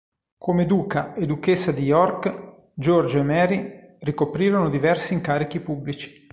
Come duca e duchessa di York, Giorgio e Mary ricoprirono diversi incarichi pubblici.